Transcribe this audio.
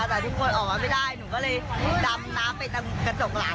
แต่ทุกคนออกมาไม่ได้หนูก็เลยดำน้ำไปทางกระจกหลัง